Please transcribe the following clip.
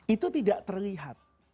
itu tidak terlihat